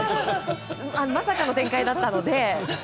まさかの展開だったので。